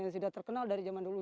yang sudah terkenal dari zaman dulu